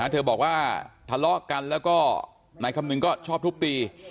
เธอบอกว่าทะเลาะกันแล้วก็นายคำนึงก็ชอบทุบตี